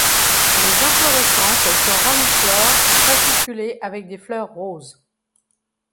Les inflorescences sont rami-flores, fasciculées, avec des fleurs roses.